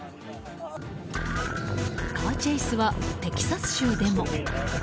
カーチェイスはテキサス州でも。